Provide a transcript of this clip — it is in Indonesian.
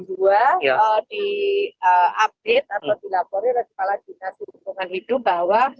di update atau dilaporin oleh kepala dinas lingkungan hidup bahwa